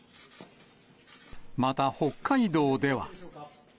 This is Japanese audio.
また北海道では。